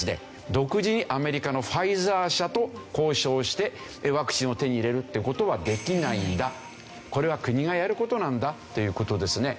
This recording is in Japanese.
独自にアメリカのファイザー社と交渉してワクチンを手に入れるっていう事はできないんだこれは国がやる事なんだっていう事ですね。